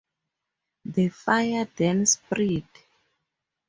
The fire then spread.